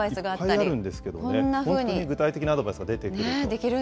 いっぱいあるんですけどね、本当に具体的なアドバイスが出てくると。